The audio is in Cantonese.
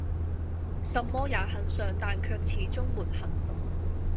什麼也很想但卻始終沒行動